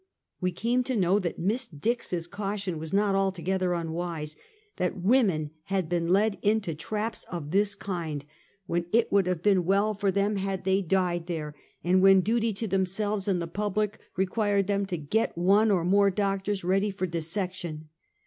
We came to know that Miss Dix's caution was not altogether unwise; that women had been led into traps of this kind, when • "Now I Lay Me Down to Sleep." 325 it would have been well for them had they died there, and when duty to themselves and the public required them to get one or more doctors ready for dissection.